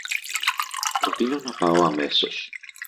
προτείνω να πάω αμέσως